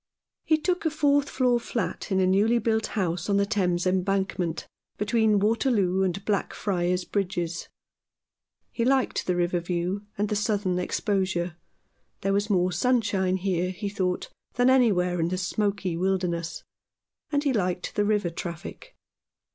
He took a fourth floor flat in a newly built house on the Thames Embankment, between Waterloo and Blackfriars Bridges. He liked the river view and the southern exposure. There was more sunshine here, he thought, than anywhere in the smoky wilderness ; and he liked the river traffic.